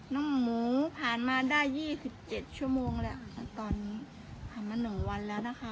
น้องหมูผ่านมาได้ยี่สิบเจ็ดชั่วโมงแล้วค่ะตอนนี้ผ่านมา๑วันแล้วนะคะ